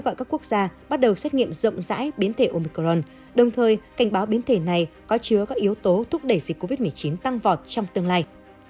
và các quốc gia bắt đầu xét nghiệm rộng rãi biến thể omicron đồng thời cảnh báo biến thể này có chứa các yếu tố thúc đẩy dịch covid một mươi chín tăng vọt trong tương lai